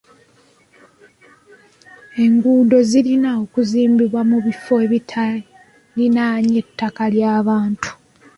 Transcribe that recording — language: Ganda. Enguudo zirina okuzimbibwa mu bifo ebitariraanye ttaka lya bantu.